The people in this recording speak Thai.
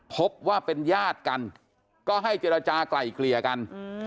พบว่าเป็นญาติกันก็ให้เจรจากลายเกลี่ยกัน